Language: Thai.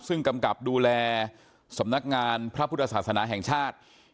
ซึ่งกำกับดูแลสำนักงานพระพุทธศาสนาแห่งชาติ